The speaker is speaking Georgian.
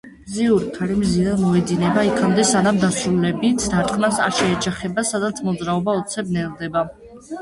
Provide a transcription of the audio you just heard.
მზიური ქარი მზიდან მოედინება იქამდე, სანამ დასრულებით დარტყმას არ შეეჯახება, სადაც მოძრაობა უცებ ნელდება.